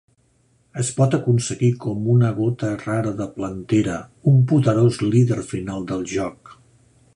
Es pot aconseguir com una gota rara de Plantera, un poderós líder final del joc.